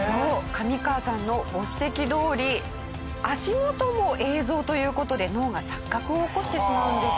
上川さんのご指摘どおり足元も映像という事で脳が錯覚を起こしてしまうんですね。